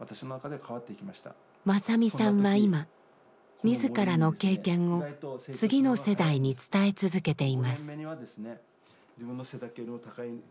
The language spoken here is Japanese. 正実さんは今自らの経験を次の世代に伝え続けています。